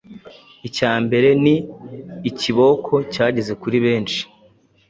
Icya mbere ni ikiboko cyageze kuri benshi.